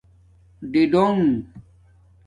ڈئ ڈݸک